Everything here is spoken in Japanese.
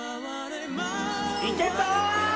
いけた！